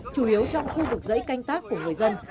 chủ yếu trong khu vực dãy canh tác của người dân